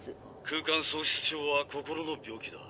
空間喪失症は心の病気だ。